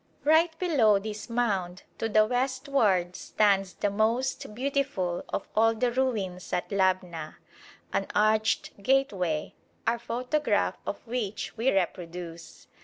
Right below this mound to the westward stands the most beautiful of all the ruins at Labna, an arched gateway, our photograph of which we reproduce.